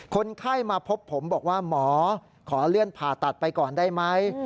คนไข้มาพบผมบอกว่าหมอขอเลื่อนผ่าตัดไปก่อนได้ไหม